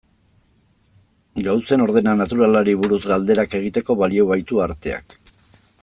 Gauzen ordena naturalari buruz galderak egiteko balio baitu arteak.